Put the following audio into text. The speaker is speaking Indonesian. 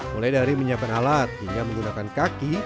mulai dari menyiapkan alat hingga menggunakan kaki